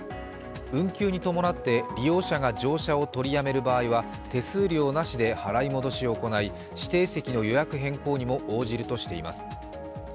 運休に伴って利用者が乗車をとりやめる場合は、手数料なしで払い戻しを行い、指定席の予約変更にも応じるとしています。